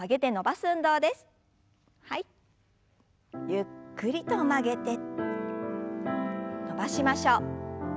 ゆっくりと曲げて伸ばしましょう。